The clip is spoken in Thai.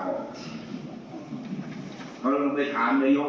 พวกเราต้องไปถามนายโยค